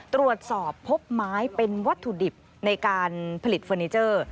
ตรวจสอบพบไม้เป็นวัตถุดิบในการผลิตเฟอร์นิเจอร์